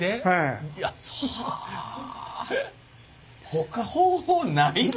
ほか方法ないの？